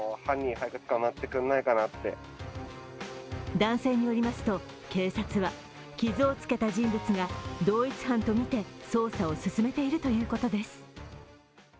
男性によりますと、警察は傷をつけた人物が同一犯とみて捜査を進めているということです。